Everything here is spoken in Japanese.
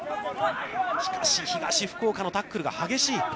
しかし、東福岡のタックルが激しい。